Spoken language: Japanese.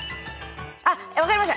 あっ分かりました。